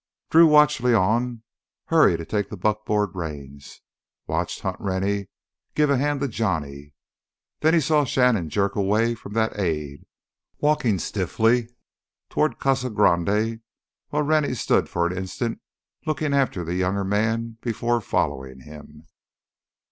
Drew watched León hurry to take the buckboard reins, watched Hunt Rennie give a hand to Johnny. Then he saw Shannon jerk away from that aid, walking stiffly toward Casa Grande while Rennie stood for an instant looking after the younger man before following him.